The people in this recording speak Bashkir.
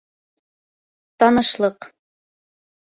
Танышлыҡ